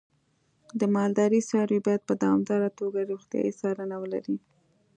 د مالدارۍ څاروی باید په دوامداره توګه روغتیايي څارنه ولري.